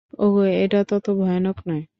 ওগো, এটা তত ভয়ানক নয়।